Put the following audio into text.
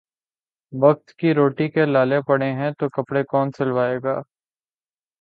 وقت کی روٹی کے لالے پڑے ہیں تو کپڑے کون سلوائے گا